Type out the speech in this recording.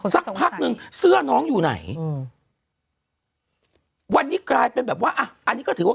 สักพักหนึ่งเสื้อน้องอยู่ไหนอืมวันนี้กลายเป็นแบบว่าอ่ะอันนี้ก็ถือว่า